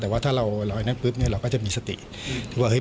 แต่ว่าถ้าเราลอยนั่นปุ๊บเนี่ยเราก็จะมีสติว่าเฮ้